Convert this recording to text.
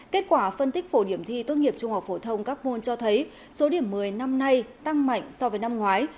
kết quả phân tích phổ điểm thi tốt nghiệp trung học phổ thông các môn cho thấy số điểm một mươi năm nay tăng mạnh so với năm ngoái